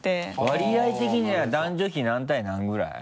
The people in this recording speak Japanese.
割合的には男女比何対何ぐらい？